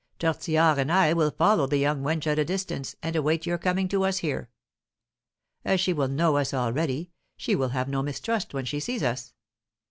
Tortillard and I will follow the young wench at a distance, and await your coming to us here. As she will know us already, she will have no mistrust when she sees us.